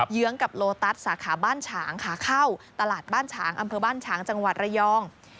เงื้องกับโลตัสสาขาบ้านฉางขาเข้าตลาดบ้านฉางอำเภอบ้านฉางจังหวัดระยอง